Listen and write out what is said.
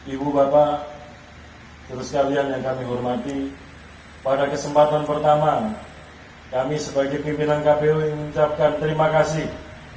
ibu bapak seluruh sekalian yang kami hormati pada kesempatan pertama kami sebagai pimpinan kpu mengucapkan terima kasih